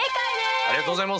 ありがとうございます！